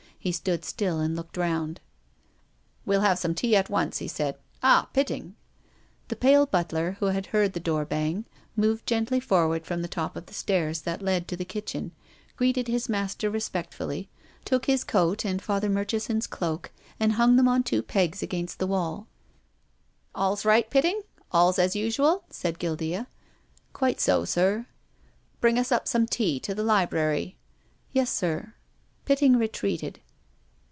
He stood still and looked round. " We'll have some tea at once," he said. "Ah, Pitting!" The pale butler, who had heard the door bang, moved gently forward from the top of the stairs that led to the kitchen, greeted his master re spectfully, took his coat and Father Murchison's cloak, and hung them on two pegs against the wall. 300 TONGUES OF CONSCIENCE. " All's right, Pitting ? All's as usual ?" said Guildca. " Quite so, sir," " Bring us up some tea to the library." " Yes, sir." Pitting retreated.